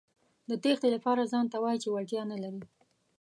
د تېښتې لپاره ځانته وايئ چې وړتیا نه لرئ.